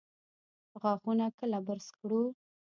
غاښونه کله برس کړو؟